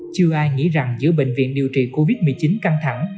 chưa ai nghĩ rằng giữa bệnh viện điều trị covid một mươi chín căng thẳng